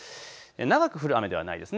長く降る雨ではないです。